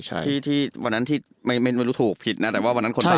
ใช่ที่ที่วันนั้นที่ไม่ไม่รู้ถูกผิดนะแต่ว่าวันนั้นคนไป